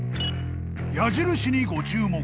［矢印にご注目］